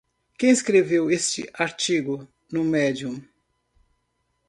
Quem escreveu este artigo no Medium?